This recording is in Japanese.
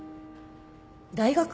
大学？